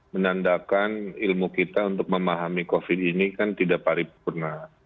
menandakan ilmu kita untuk memahami covid ini kan tidak paripurna